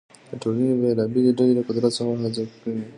د ټولنې بېلابېلې ډلې له قدرت څخه حذف کیږي.